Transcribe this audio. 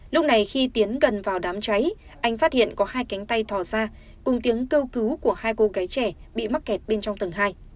lúc này khi tiến gần vào đám cháy anh phát hiện có hai cánh tay thò xa cùng tiếng kêu cứu của hai cô gái trẻ bị mắc kẹt bên trong tầng hai